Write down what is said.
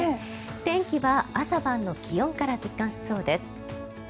天気は朝晩の気温から実感しそうです。